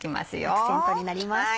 アクセントになります。